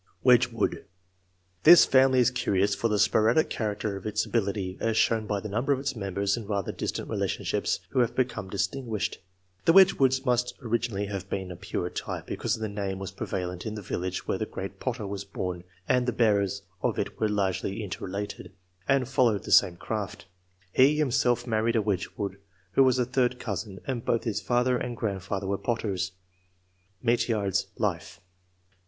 Wedgewood. — ^This family is curious for the sporadic character of its ability, as shown by the number of its members in rather distant relationships who have become distinguished. I.] ANTECEDENTS. 63 The Wedgewoods must originally have been of a pure type, because the name was prevalent in the village where the great potter was bom, and the bearers of it were largely inter related, and followed the same craft. He himself married a Wedgewood, who was a third cousin, and both his father and grandfather were potters. (Mete yard's "Life.")